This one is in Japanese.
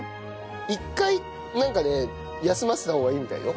一回なんかね休ませた方がいいみたいよ。